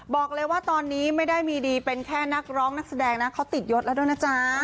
บอกเลยว่าตอนนี้ไม่ได้มีดีเป็นแค่นักร้องนักแสดงนะเขาติดยศแล้วด้วยนะจ๊ะ